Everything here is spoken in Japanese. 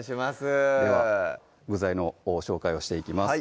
具材の紹介をしていきます